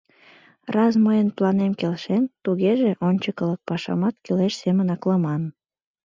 Раз мыйын планем келшен, тугеже, ончыкылык пашамат кӱлеш семын аклыман.